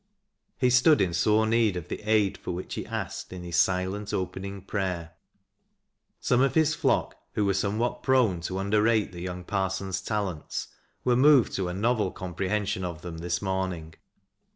He stood in sore need '>f the aid for wHich he asked in his silent opening prayer Some of his flock who were somewhat prone to under rate the young parson's talents, were moved to a novel com preliension of them this morning.